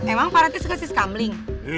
emang pak rete suka sesi sambling